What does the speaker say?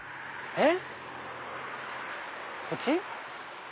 えっ？